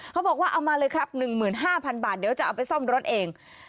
เขาบอกว่าเอามาเลยครับ๑๕๐๐๐บาทเดี๋ยวจะเอาไปซ่อมรถเอง